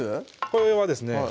これはですね